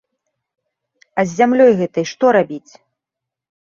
А з зямлёй гэтай што рабіць?